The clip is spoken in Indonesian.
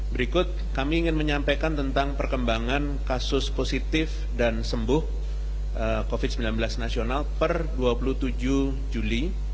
berikut kami ingin menyampaikan tentang perkembangan kasus positif dan sembuh covid sembilan belas nasional per dua puluh tujuh juli